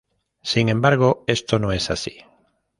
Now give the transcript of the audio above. Sin embargo esto no es así.